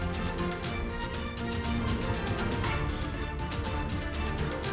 pemilu dan pilpres bersama layar